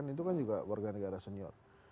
itu kan juga warga negara senior